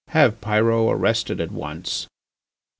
Have Pyrot arrested at once." II.